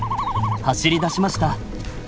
走りだしました。